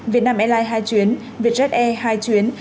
việt nam airlines hai chuyến vietjet air hai chuyến